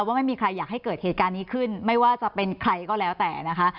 ว่าไม่มีใครอยากให้เกิดเหตุการณ์นี้ขึ้นไม่ว่าจะเป็นใครก็แล้วแต่นะคะ